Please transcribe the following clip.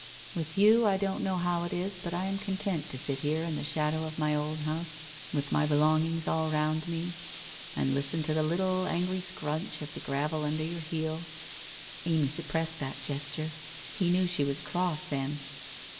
With you, I don't know how it is, but I am content to sit here in the shadow of my own house, with my belongings all round me, and listen to the little angry scrunch of the gravel under your heel '— Amy suppressed that gesture, he knew she was cross, then